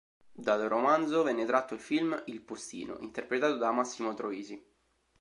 Dal romanzo venne tratto il film "Il postino", interpretato da Massimo Troisi.